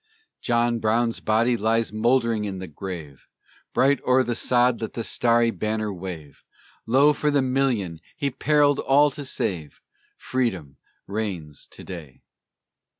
John Brown's body lies mouldering in the grave; Bright o'er the sod let the starry banner wave; Lo! for the million he perilled all to save, Freedom reigns to day!